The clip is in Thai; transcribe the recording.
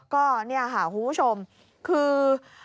ก็คุณผู้ชมคือ